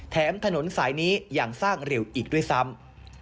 ถนนสายนี้ยังสร้างเร็วอีกด้วยซ้ำ